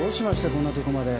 こんなとこまで。